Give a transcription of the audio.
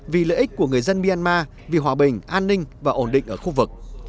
vì lợi ích của người dân myanmar vì hòa bình an ninh và ổn định ở khu vực